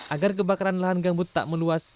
agar kebakaran lahan gambut tak meluas